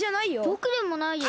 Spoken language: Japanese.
ぼくでもないよ。